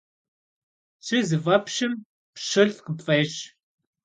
Пщы зыфӀэпщым пщылӀ къыпфӀещ.